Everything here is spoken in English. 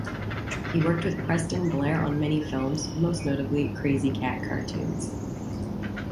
He worked with Preston Blair on many films, most notably, Krazy Kat cartoons.